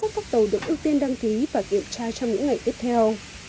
nói được về danh sách các tàu được ưu tiên đăng ký và kiểm tra trong những ngày tiếp theo